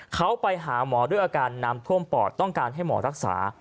เขาไปหาหมอด้วยอาการน้ำท่วมปอดต้องการให้หมอรักษา